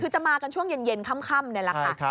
คือจะมากันช่วงเย็นค่ำนี่แหละค่ะ